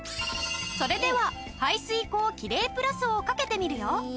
それでは排水口キレイプラスをかけてみるよ！